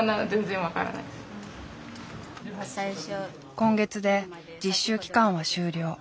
今月で実習期間は終了。